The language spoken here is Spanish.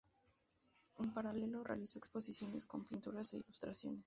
En paralelo, realizó exposiciones con sus pinturas e ilustraciones.